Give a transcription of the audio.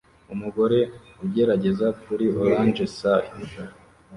Umugore ugerageza kuri orange Sari